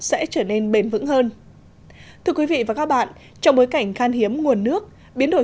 sẽ trở nên bền vững hơn thưa quý vị và các bạn trong bối cảnh khan hiếm nguồn nước biến đổi